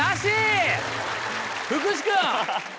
福士君！